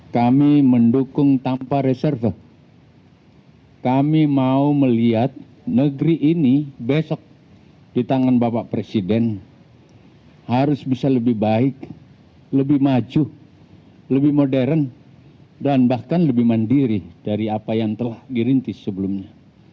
kami mendukung tanpa reserve kami mau melihat negeri ini besok di tangan bapak presiden harus bisa lebih baik lebih maju lebih modern dan bahkan lebih mandiri dari apa yang telah dirintis sebelumnya